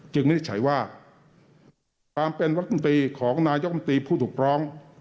จึงวินิจฉัยว่าความเป็นรับนูนตีของนายกมติผู้ถูกปรอง